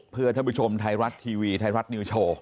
เพื่อท่านผู้ชมไทยรัฐทีวีไทยรัฐนิวโชว์